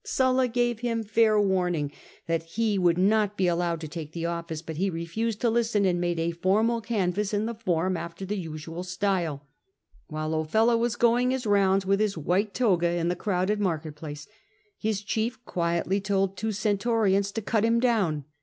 Sulla gave him fair THE DEATH OF OFELLA 157 warning that he would not be allowed to take the office, but he refused to listen, and made a formal canvass in the Forum after the usual style. While Ofella was going his rounds with his white toga in the crowded market place, his chief quietly told two centurions to cut him down.